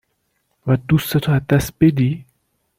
و دوست تو از دست بدی ؟